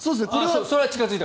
それは近付いた。